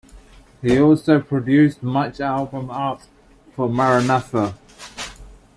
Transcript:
He also produced much album art for Maranatha!